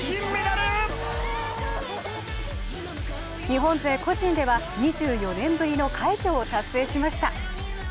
日本勢個人では２４年ぶりの快挙を達成しました。